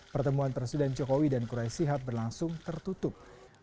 pertemuan presiden jokowi dan kurai sihat berlangsung tertutup